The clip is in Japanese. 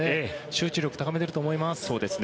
集中力高めていると思います。